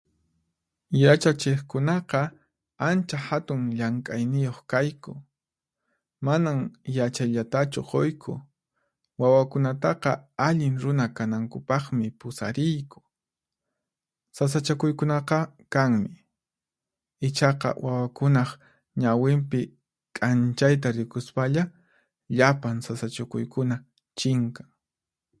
Yachachiqkunaqa ancha hatun llank'ayniyuq kayku. Manan yachayllatachu quyku, wawakunataqa allin runa kanankupaqmi pusariyku. Sasachakuykunaqa kanmi, ichaqa wawakunaq ñawinpi k'anchayta rikuspalla, llapan sasachakuykuna chinkan.